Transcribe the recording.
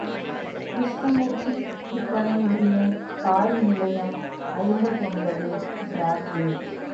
கிருஷ்ணமூர்த்தி விற்பனை உரிமை பாரி நிலையம் ஐம்பத்தொன்பது, பிராட்வே.